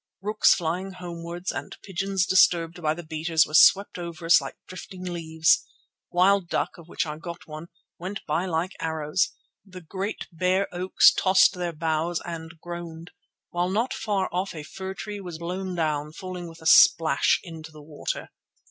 Rooks flying homewards, and pigeons disturbed by the beaters were swept over us like drifting leaves; wild duck, of which I got one, went by like arrows; the great bare oaks tossed their boughs and groaned; while not far off a fir tree was blown down, falling with a splash into the water.